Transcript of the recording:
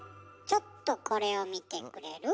ちょっとこれを見てくれる？